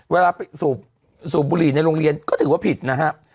เวลาไปสูบบุหรี่ในโรงเรียนก็ถือว่าผิดนะครับ